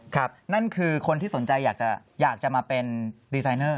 นั่นคือคนที่สนใจอยากจะมาเป็นดีไซเนอร์